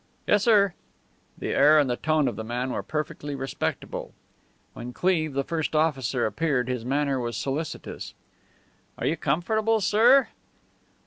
"Yes, sir." The air and the tone of the man were perfectly respectful. When Cleve, the first officer, appeared his manner was solicitous. "Are you comfortable, sir?"